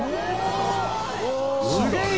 すごーい！